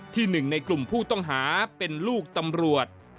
หนึ่งในกลุ่มผู้ต้องหาเป็นลูกตำรวจ